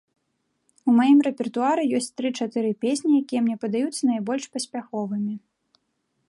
У маім рэпертуары ёсць тры-чатыры песні, якія мне падаюцца найбольш паспяховымі.